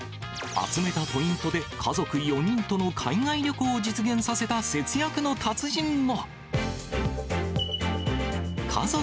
ポイントで夏休み子どもを集めたポイントで家族４人との海外旅行を実現させた節約の達人も。